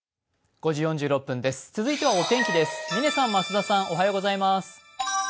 続いてはお天気です。